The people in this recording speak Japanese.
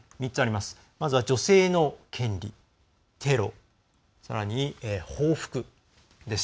まずは、女性の権利テロ、さらに報復です。